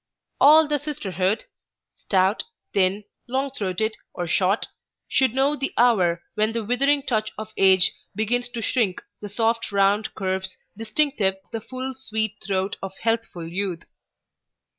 [Illustration: NO. 72] All the sisterhood, stout, thin, long throated, or short, should know the hour when the withering touch of age begins to shrink the soft, round curves distinctive of the full, sweet throat of healthful youth.